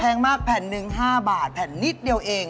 มากแผ่นหนึ่ง๕บาทแผ่นนิดเดียวเอง